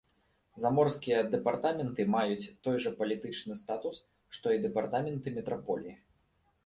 Заморскія дэпартаменты маюць той жа палітычны статус, што і дэпартаменты метраполіі.